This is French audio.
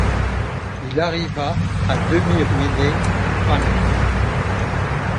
Il arriva à demi-ruiné à Paris.